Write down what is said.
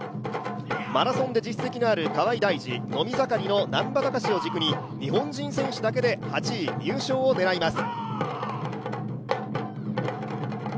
マラソンで実績のある河合代二伸び盛りの難波天を軸に日本人選手だけで８位入賞を狙います。